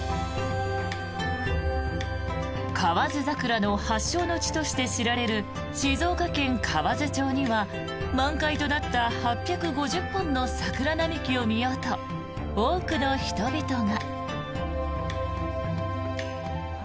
カワヅザクラの発祥の地として知られる静岡県河津町には満開となった８５０本の桜並木を見ようと多くの人々が。